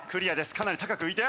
かなり高く浮いて。